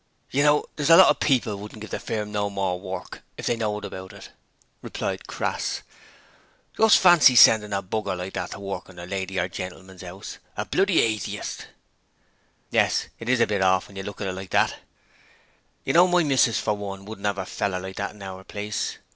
'You know there's plenty of people wouldn't give the firm no more work if they knowed about it,' Crass continued. 'Just fancy sendin' a b r like that to work in a lady's or gentleman's 'ouse a bloody Atheist!' 'Yes, it is a bit orf, when you look at it like that.' 'I know my missis for one wouldn't 'ave a feller like that in our place.